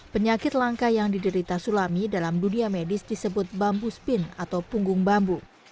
penyakit langka yang diderita sulami dalam dunia medis disebut bambu spin atau punggung bambu